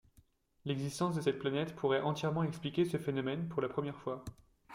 L'existence de cette planète pourrait entièrement expliquer ce phénomène pour la première fois.